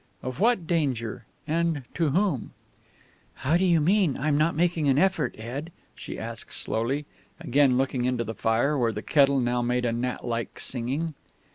Of what danger? And to whom?... "How do you mean, I'm not making an effort, Ed?" she asked slowly, again looking into the fire, where the kettle now made a gnat like singing.